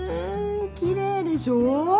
きれいでしょ？